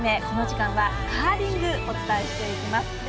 この時間はカーリングお伝えしていきます。